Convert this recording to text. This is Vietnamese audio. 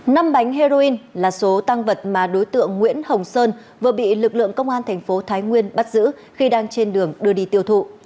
năm bánh heroin là số tăng vật mà đối tượng nguyễn hồng sơn vừa bị lực lượng công an thành phố thái nguyên bắt giữ khi đang trên đường đưa đi tiêu thụ